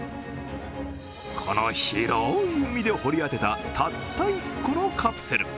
この広い海で掘り当てた、たった１個のカプセル。